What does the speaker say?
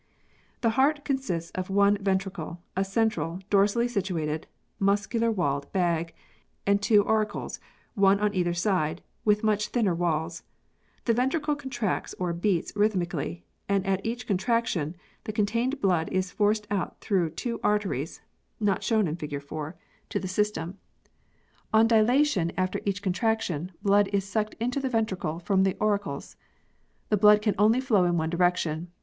The heart consists of one ventricle, a central, dorsally situated, muscular walled bag, and two auricles, one on either side, with much thinner walls. The ventricle contracts or " beats " rhythmically, and at each contraction the contained blood is forced out through two arteries (not shown in fig. 4) to the in] THE PEARL OYSTER 37 system. On dilatation after each contraction, blood is sucked into the ventricle from the auricles. The blood can only flow in one direction.